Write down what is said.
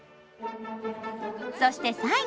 そして最後。